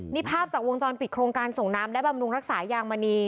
นี่ภาพจากวงจรปิดโครงการส่งน้ำและบำรุงรักษายางมณี